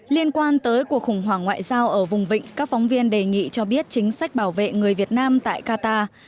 liên quan tới cuộc khủng hoảng ngoại giao ở vùng vịnh các phóng viên đề nghị cho biết chính sách bảo vệ người việt nam tại qatar